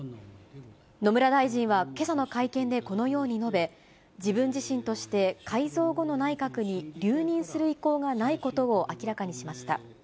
野村大臣はけさの会見でこのように述べ、自分自身として、改造後の内閣に留任する意向がないことを明らかにしました。